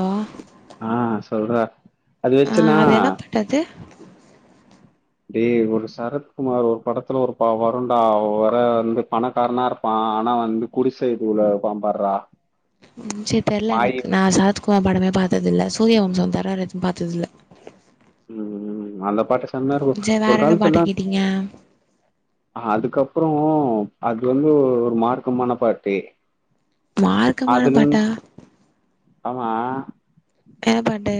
ஆ ஆ சொல்றா அது வெச்சுனா னது டேய் ஒரு சரத்குமார் ஒரு படத்துல ஒரு பா வருண்டா வர வந்து பணக்கார்னா இரு ப்பா ஆனா வந்து குடிச வீட்ல தா இருப்பா பார்ரா [inaudible] ம் சேர் தெர்ல எனக்கு நா சரத் குமார் படமே பாத்ததில்ல சூர்ய வம்சம் தவர வேற எதுவு பாத்ததில்ல ம் அந்த பாட்டு செமயா இருக்கு செரி வேற ஒரு என்ன பாட்டு காலத்லா கேட்டீங்க அதுக்கப்றோ அது வந்து ஒரு மார்க்கமான பாட்டு மார்க்கமான அதுலுன் பாட்டா ஆமா என்ன பாட்டு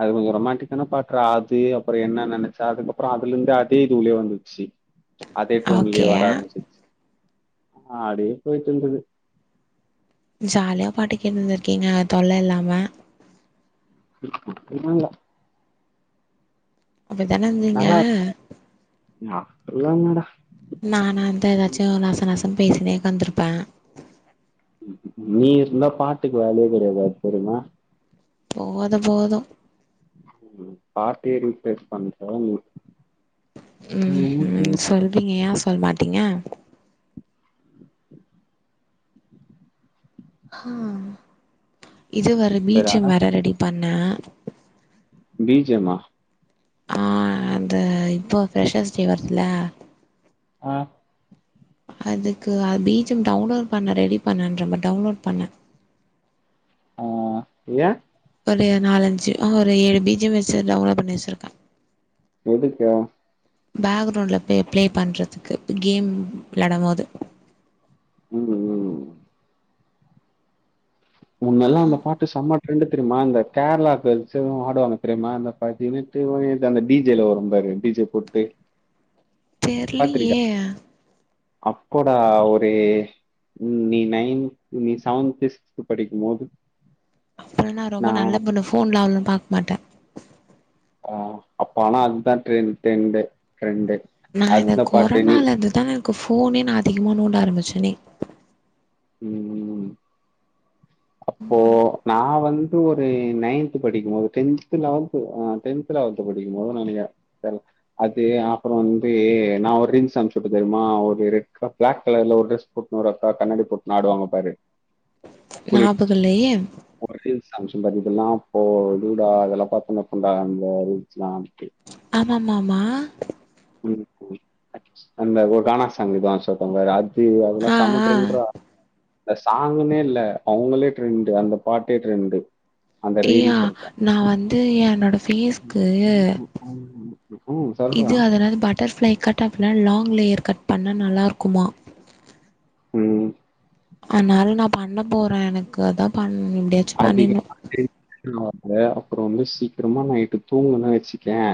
அது கொஞ்சோ ரொமண்டிக்கான பாட்றா அது அப்றோ என்ன நெனச்ச அதுக்கப்றோ அதுல இருந்து அதே இதுக்குள்ளயே வந்துச்சு அதே டோன்லயே ஓகே வர ஆரம்பிச்சிச்சு அப்டியே போயிட்டுருந்துது ஜாலியா பாட்டு கேட்னு இருந்துருகீங்க தொல்ல இல்லாம இல்ல அப்டி தான இருந்தீங்க மா இல்லங் மேடம் நானா இருந்தா ஏதாச்சு நசநசனு பேசினே ஒக்காந்துருப்பே நீ இருந்தா பாட்டுக்கு வேலயே கெடையாது அது தெரியுமா போது போது ம் பார்ட்டிய ரீப்ளேஸ் பண்ற நீ ம் ம் சொல்வீங்க ஏ சொல் மாட்டீங்க [inaudible] ம் இது வேற பீச்சும் வேற ரெடி பண்ணே பீஜியமா ஆ அந்த இப்போ ஃப்ரெஷர்ஸ் டே வருதுல ஆ அதுக்கு பீஜியம் டவுன்லோட் பண்ணே ரெடி பண்ணேன்றே பாரு டவுன்லோட் பண்ணே ஆ ஏ ஒரு நாலஞ்சு ஒரு ஏழு பீஜியம்மாச்சு டவுன்லோட் பண்ணி வச்சுருப்பே எதுக்குகா பாக்கிரவுண்ட்ல பிளே பண்ணுறதுக்கு கேம் விளையாடம்போது ம் ம் முன்னெல்லாம் அந்த பாட்டு செம்ம ரெண்டு தெரியுமா அந்த கேரளா கேர்ல்ஸு ஆடுவாங்க தெரியுமா அந்த பதினெட்டு வயது அந்த டிஜேலா வரு பாரு டிஜே குட்டே தெர்லியே அப்போனா ஒரு ம் நீ நைன்த் நீ செவன்த் சிக்ஸ்த் படிக்கும் போது அப்புறோ நா ரொம்ப நான் நல்ல பொண்ணு ஃபோன்லா அவளோ பார்க்க மாட்டே ஆ அப்ப ஆனா அதுதா ட்ரெண் ட்ரெண்டு ட்ரெண்டு நா இந்த அந்த பாட்டு நீ கொரோனாலருந்து தா எனக்கு ஃபோனே நா அதிகமாக நோண்ட ஆரம்பிச்சேனே ம் ம் ம் அப்போ நா வந்து ஒரு நைன்த்து படிக்கும்போது டென்த்து லெவன்த்து ஆ டென் த்து லெவல்த்து படிக்கும் போது நெனைக்கிரே தெர்ல அது அப்றோ வந்து நா ஒரு ரிங்ஸ் அம்ச்சுட்டே தெரியுமா ஒரு ரெட் க ப்ளாக் கலர்ல ஒரு ட்ரெஸ் போட்னு ஒரு அக்கா கண்ணடி போட்னு ஆடுவாங்க பாரு குளி ஞாபகல்லயே ரீல்ஸ் அமிச்சே பாத்தீங்கனா அப்ப லூடா அதெல்லா பாத்துனுருப்போடா அந்த ரீல்ஸ் லா வன்ட்டு ஆமா மாமா ம் அந்த கானா சாங் தா சொன்ன பாரு ஏ அதல்லா ஆ செம ஆ டிரெண்ட்ரா இந்த சாங்னே இல்ல அவங்களே ட்ரெண்டு் அந்த பாட்டே ட்ரெண்டு அந்த கியா ரீல்னு சொல்றே நா வந்து என்னோட ஃபேஸ்க்கு ம் இது சொல்றான். அதுலருந்து பட்டர்பிளை கட் ஆஃப்ல லாங் லேயர் கட் பண்ணா நல்லா இருக்குமா ம் அதனால நா பண்ண போறே எனக்கு அதா பண்ண முடிது அதிகமா பேசிட்டு இருக்காம அப்புரோ வந்து சீக்கிரமா நைட்டு தூங்கன வச்சுக்கயே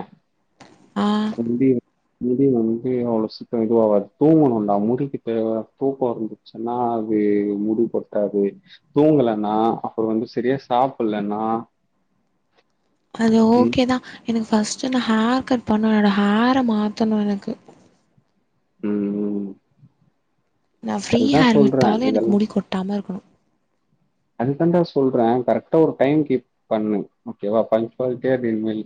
ஆ [unintelligible] முடி வந்து அவளோ சீக்கிரோ இதுவாகாது தூங்கணுடா முடிக்கு தேவ தூக்கம் வந்து சொன்னா அது முடி கொட்டாது தூங்கலன்னா அப்புறோ வந்து செரியா சாப்பிலன்னா அது ஓகே தா எனக்கு ஃபஸ்ட்டு நா ஹேர் கட் பண்ணனு என்னோட ஹேரை மாத்தணு எனக்கு ம் ம் நா ஃப்ரீ அதுதான் ஹேர் சொல்றேன். விட்டாலு இதெல்லாம் எனக்கு முடி கொட்டாம இருக்கணு அதுக்கு தான்டா சொல்றே கரெக்டா ஒரு டைம் கீப் பண்ணு ஓகே வா பன்சுவாலிடி நீ நில்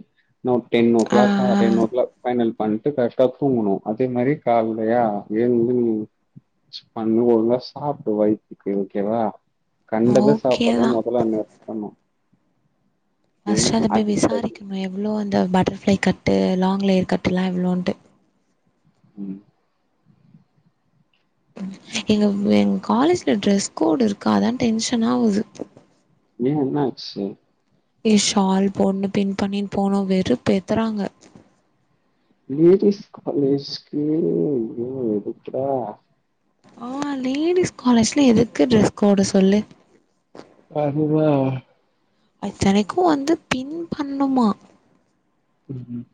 டென்நோ ஆ கிளாக்கா டென்நோ கிளாக் ஃபைனல் பண்ணிட்டு கரெக்டா தூங்கணு அதே மாரி காலையா எழுந்து பண்ணு ஒழுங்கா சாப்பிடு வயித்துக்கு ஓகேவா ஆ கண்டத ஓகே சாப்பிடுறது தா முதல்ல நிறுத்தனு ஃபஸ்ட்டு அதை போய் அதுக்கு பதில் விசாரிக்கணு எவ்வளோ அந்த பட்டர்ஃப்ளை கட்டு லாங் லேயர் கட்டுலா எவ்வளோண்டு ம் ஏங்க எங் காலேஜ்ல ட்ரெஸ் கோடு இருக்கு அதா டென்ஷா ஆவுது ஏ என்னாச்சு ஏ ஷால் போட்னு பின் பண்ணின் போணு வெறுப் பேத்தறாங்க லேடீஸ் காலேஜ்க்கே இவ்ளோ இருக்கா ஆ லேடிஸ் காலேஜ்ல எதுக்கு டிரெஸ் கோடு சொல்லு அதுதா அத்தனைக்கு வந்து பின் பண்ணும்மா உ உம்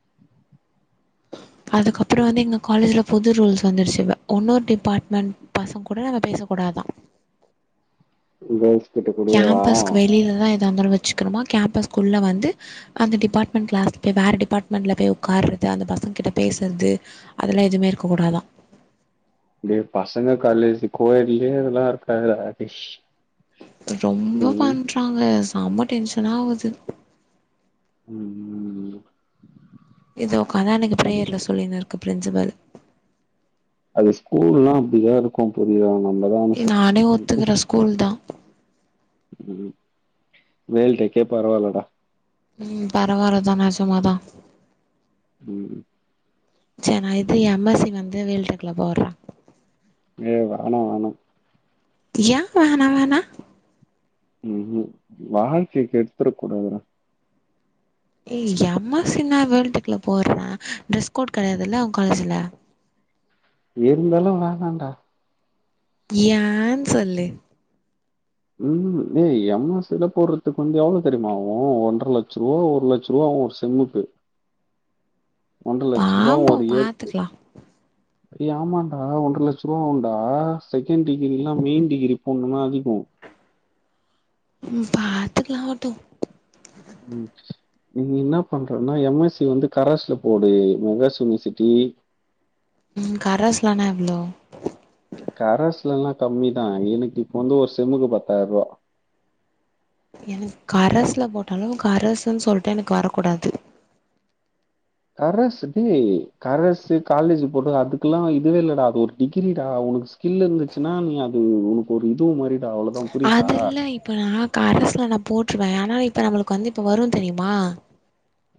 அதுக்கப்புறோ வந்து எங்க காலேஜ்ல புது ரூல்ஸ் வந்துருச்சு இப்ப உன்னொரு டிபார்ட்மெண்ட் பசங்க கூட பேச கூடாதா கேல்ஸ் கிட்ட கூ கேம்பஸ்க்கு வெளியில தா எதா இர்ந்தாலு வச்சுக்கனும்மா கேம்பஸ்க்குள்ள வந்து அந்த டிபார்ட்மெண்ட் கிளாஸ்க்கே வேற டிபார்ட்மெண்ட்ல பேய் உட்காறது அந்த பசங்க கிட்ட பேஸ்றது அத எல்லா எதுமே இருக்க கூடா தா டேய் பசங்க காலேஜ் கோயட்லயே இதெல்லா இருக்காற்துறா ரொம்ப பண்றாங்க செம டென்ஷனா ஆவுது உம் உம் உம் இது உட்காந்து அன்னைக்கு ஃப்ரேயர்ல சொல்லின் இருக்கு பிரின்சிபெல் அது ஸ்கூல்லா அப்டிதா இருக்கு புரிதா நம்ம தா அனுசரிச்சு கூல் தா உம் வேல் டெக்கே பரவாயில்லடா உம் பரவாற தா நெஜம்தா உம் செ நா இது எம் எஸ் சி வந்து வேல் டேக்ல்ல போட்றே ஏ வேணா வேணா யா வேணா வேணா உம் ஹூ வாழ்க்கைய கேடுத்தூற கூடாதுடா ஏ எம் எஸ் சி நா வேல்டேக்குல போட்றே டிரெஸ் கோட் கெடையாது இல்ல ஓங் காலேஜில இருந்தாலு வேணான்டா யான் சொல்லு உம் ஏ எம் எஸ் சி லா போட்றதுக்கு வந்து எவ்ளோ தெரியுமா ஆவு ஒன்ற லட்ச ரூபா ஒரு லட்ச ரூபா ஆவு செம்மூக்கு ரூபா பாம்போ பாத்துக்ல்லா டேய் ஆமாண்டா ஒன்ற லட்ச ரூவா ஆகுண்டா செகண்ட் டிகிரி எல்லா மெயின் டிகிரி போட்ன்ணுனா அதிகோ உம் பாத்துக்குல்லா ஓட்டு உம் நீங் என்ன பண்றன்னா எம் எஸ் சி வந்து கரஸ்ல போடு மெட்ராஸ் யூனிவர்சிட்டி உம் கரஸ்ல்லனா எவ்ளோ கரஸ்ல எல்லா கம்மிதா எனக் இப்போ வந்து ஒரு செம்மூக்கு பத்தாயிற ரூவா எனக் கரஸ்ல போட்டாலு கரசுன்னு சொல்லிட்டு எனக்கு வரக்கூடாது கரஸ் டே கரஸ் காலேஜ் போட்றது அதுக்கெல்லா இதுவே இல்லடா அது ஒரு டிகிரி டா ஒனக்கு கில்லு இருந்துச்சுன்னா நீ அது உனக்கு ஒரு இது மாரிடா அவ்ளோதா அதுல்ல இப்ப நா கரஸ்சுல நா போட்டுருவே ஆனா இப்ப நம்மளுக்கு வந்து இப்ப வரு தெரியுமா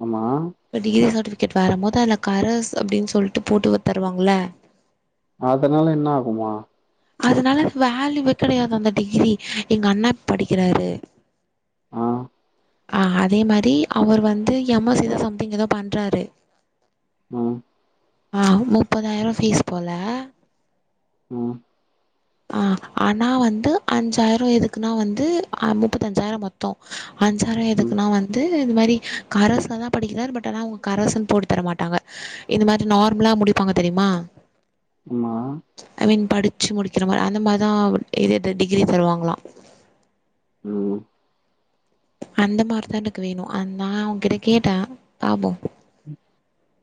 அம்மா இப்ப டிகிரி சட்விகேட் வரமோது அதுல கரஸ் அப்டின்னு சொல்ட்டு போட்டுவ தருவாங்கள அதனால என்ன ஆகுமா அதுனால வேல்யூவே கிடையாது அந்த டிகிரி எங்க அண்ணா படிக்கிறாரு ஆ அ அதே மாரி அவர் வந்து என் அம்மா [unintelligible] தா சம்திங் ஏதோ பண்ணுறாரு ஆ ஆ முப்பதாயிரம் ஃபீஸ் போல ம் ஆ ஆனால வந்து அஞ்சாயிரம் எதுக்குன்னா வந்து முப்பத்தஞ்சாயிரம் மொத் தோ அன்சாரொ ம் எதுக்குனா வந்து வந்து இந்த மாதிரி கரரஸ்ல தா படிக்கிறார் பட் ஆனா அவங்க கரரசுன்னு போட்டு தர மாட்டாங்க இந்த மாரி நார்மலா முடிப்பாங்க தெரியுமா ஆமா ஐ மீன் படிச்சு முடிக்கிற மாரி அந்த மாதிரிதான் எது எ டிகிரி தருவாங்களாம் ம் அந்த மாரி தா எனக்கு வேணும் நா அவுங்கிட்ட கேட்டேன் பாபொ [inaudible]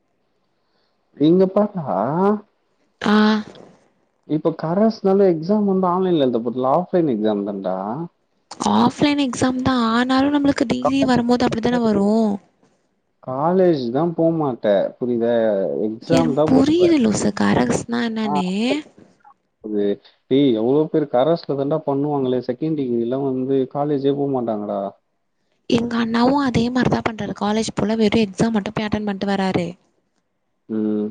நீங்க பாத்தா ஆ இப்ப கரஸ்னால எக்ஸாம் வந்து ஆன்லைன்ல எழுத போறதுல ஆஃப்லைன் எக்ஸாம் தான்டா ஆஃப்லைன் எக்ஸாம் தா ஆனாலும் நம்மளுக்கு டிகிரி வரும்போது அப்படி தான வரும் காலேஜ் தா போகமாட்ட புரியுதா எக்ஸாம் எனக்கு தான் போ புரியது லூசு கரஸ்னா ஆ என்னனு [inaudible] டேய் எவ்வளோ பேரு கரஸ்ல தாண்டா பண்ணுவாங்களே செகண்ட் டிகிரி எல்லாம் வந்து காலேஜே போக மாட்டாங்கடா எங்க அண்ணாவும் அதே மாரி தான் பண்ணுறாரு காலேஜ் போல வெறும் எக்ஸாம் மட்டும் போய் அட்டென் பண்ணிட்டு வராரு ம்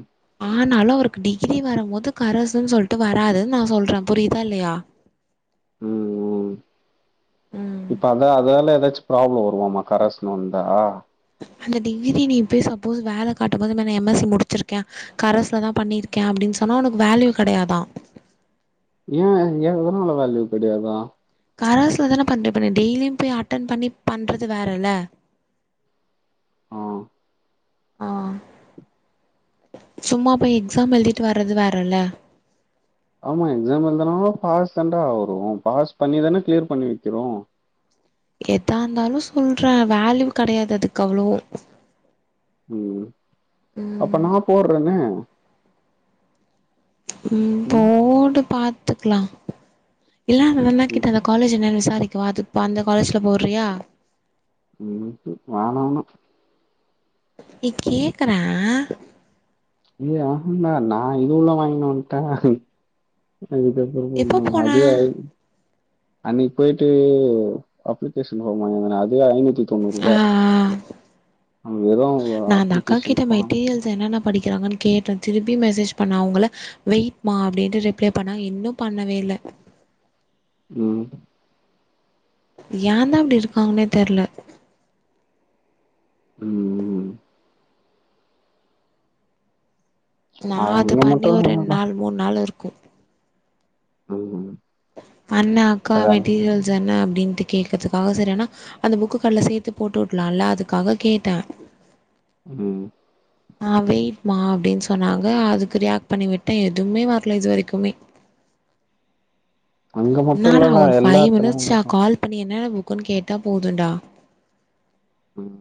ஆனாலும் அவருக்கு டிகிரி வரும்போது கரசுன் சொல்லிட்டு வராதுன்னு நா சொல்றேன் புரியுதா இல்லையா உம் உம் இப்ப அ அத அதால ஏதாச்சும் ப்ராப்ளம் வருமாமா கரஸ்னு வந்தா அந்த டிகிரி நீ இப்பேய் சப்போஸ் வேலை காட்டும் போது எம் எஸ் சி முடிச்சிருக்கேன் கரஸ்ல தா பண்ணிருக்கேன் அப்படின்னு சொன்னா உனக்கு வேல்யூ கிடையாதான் ஏன் ஏ எதனால வேல்யூ கிடையாதா கரஸ்ல தான பண்ற பண்ண டெய்லியும் போய் அட்டன் பண்ணி பண்றது வேற இல்ல ஆ. ஆ சும்மாப்பெய் எக்ஸாம் எழுதிட்டு வர்றது வேறல ஆமா எக்ஸாம் எழுதுதான பாஸ் தண்டா ஆரும் பாஸ் பண்ணிதானே கிளியர் பண்ணி வைக்கிறோம் எதா இருந்தாலும் சொல்றேன் வேல்யூ கிடையாது அதுக்கு அவ்வளோ உம் அப்ப ம் நா போட்றேங்க உம் ம். போடு பாத்துக்கலாம் இல்ல அந்தா அண்ணா ம். கிட்ட அந்த காலேஜ் என்னன்ன விசாரிக்கவ அதுப்ப அந்த காலேஜ்ல் போடுறியா ம் சேர் வேணா வேணா ஏ கேக்குற ஏ ஆமா நா இது உள்ள வாங்குனோன்ட்டா இத எப்போ போனா அன்னைக்கு போயிட்டு அப்ளிகேஷன் ஃபார்ம் வாங்கிந்தோனே அது ஐநூத்தி தொண்ணூ ஆ ரூபா நா அந்த அக்கா கிட்ட ஃபார்ம் மெட்டீரியல்ஸ் என்னென்ன படிக்கிறாங்கன்னு கேட்டது திருப்பி மெசேஜ் பண்ணா அவங்கள வெயிட்மா அப்டின்ட்டு ரிப்ளை பண்ணாங்க இன்னு பண்ணவே இல்ல ம் ஏந்தா இப்டி இருக்காங்கன்னே தெரில ம் நா அது அங்க பண்ணி மட்டும் ஒரு ரெண்டு இல்லடா நாள் மூணு நாள் இருக்கு ம் அண்ணே அக்கா அதான் மெட்டீரியல் தான அப்டின்ட்டு கேக்குறதுக்காக சரி ஆனா அந்த புக்கு கடேல சேத்து போட்டு விடலாம்ல அதுக்காக கேட்டே ம் ஆ வெயிட் மா அப்டின்னு சொன்னாங்க அதுக்கு ரியாக்ட் பண்ணி விட்டே எதுவுமே வரல இது வரைக்குமே அங்க மட்டும் என்னாடா இல்லடா ஒரு எல்லா ஃபைவ் இடத்துலயும் அங்க மினிட்சா தான் கால் அப்ப நீ என்னென்ன புக்குன்னு கேட்டா போதுன்டா ம்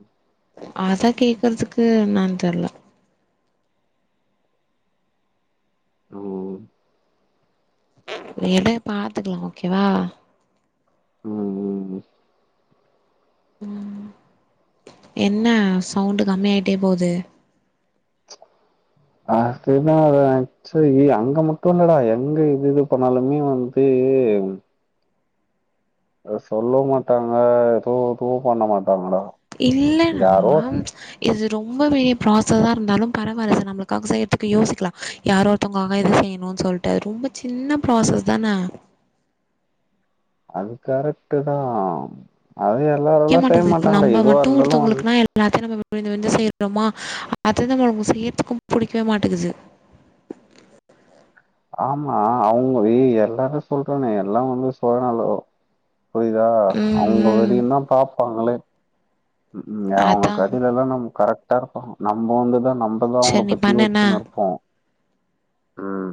அத கேக்குறதுக்கு என்னான்னு தெர்ல ஓ எத பாத்துக்கலா ஓகேவா ம் ம் ம் ம் என்ன சவுண்டு கம்மி ஆயிட்டே போது ஆ [unintelligible] சோ இது அங்க மட்டு இல்லடா எங்க இது இது பண்ணாலுமே வந்து அத சொல்ல மாட்டாங்க எதுவு இதுவு பண்ண மாட்டாங்கடா இல்ல யாரோ ஆம் இது ரொம்பவே ப்ராசஸ் ஆ இருந்தாலு பரவால்ல சார் நம்மளுக்காக செய்யிறதுக்கு யோசிக்கலா யாரோ ஒருத்தவங்காக இத செய்யணு சொல்லிட்டு ரொம்ப சின்ன ப்ராசஸ் தான அது கரெக்ட் தா அது எல்லாரல்லா செய்ய மாட்டாங்கடா எதுவா இருந்தாலு வந்து எல்லாத்தையு நம்ம விழுந்து விழுந்து செய்றோமா அது நம்மளுக்கு செய்யறதுக்கு பிடிக்கவே மாட்டேங்குது ஆமா அவங்களே எல்லாரு சொல்றேன்னே எல்லா வந்து சுயநலோ புரியுதா அவங்க ம் ம் வரைக்குந்தா பாப்பாங்களே ம் அவங்க அதா கதேலல்லா நம்ம கரெக்டா இருப்பாங்க நம்ம வந்துதா நம் மதா அவங்கள சரி நீ பத்தி பண்ணு என்ன யோசின்னு இருப்போ ம்